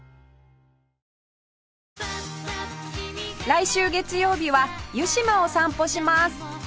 来週月曜日は湯島を散歩します